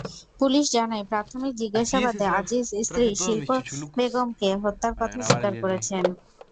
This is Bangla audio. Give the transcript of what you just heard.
পুলিশ জানায়, প্রাথমিক জিজ্ঞাসাবাদে আজিজ স্ত্রী শিল্পী বেগমকে হত্যার কথা স্বীকার করেছেন।